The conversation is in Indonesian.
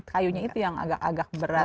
kayunya itu yang agak agak berat